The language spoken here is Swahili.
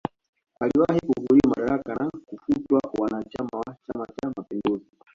Aliwahi kuvuliwa madaraka na kufutwa uanachama wa chama cha mapinduzi